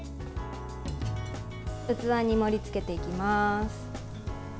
器に盛りつけていきます。